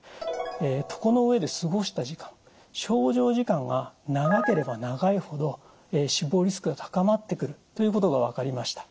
床の上で過ごした時間床上時間が長ければ長いほど死亡リスクが高まってくるということが分かりました。